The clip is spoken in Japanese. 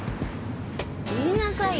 言いなさいよ